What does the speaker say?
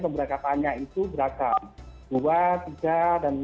pemberkatannya itu beratkan